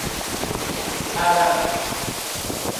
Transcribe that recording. Arara